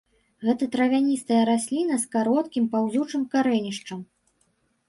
Гэта травяністыя расліна з кароткім паўзучым карэнішчам.